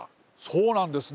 そうなんですね。